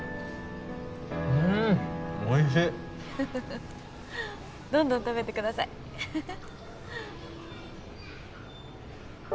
うーんおいしいどんどん食べてくださいよしっ！